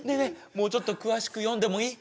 もうちょっと詳しく読んでもいい？